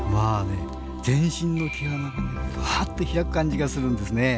全身の毛穴が開く感じがするんですね。